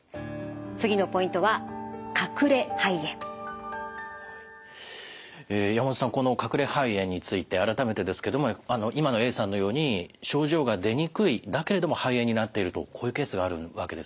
次のポイントは山本さんこの隠れ肺炎について改めてですけども今のＡさんのように症状が出にくいだけれども肺炎になっているとこういうケースがあるわけですね。